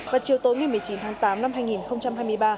và chiều tối ngày một mươi chín tháng tám năm hai nghìn hai mươi ba